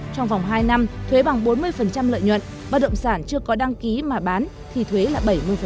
trong vòng hai năm thuế bằng bốn mươi lợi nhuận bất động sản chưa có đăng ký mà bán thì thuế là bảy mươi